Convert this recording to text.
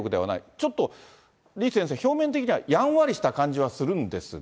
ちょっと李先生、表面的にはやんわりした感じはするんですが。